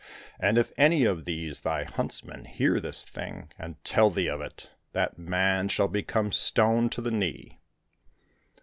And if any of these thy huntsmen hear this thing and tell thee of it, that man shall become stone to the knee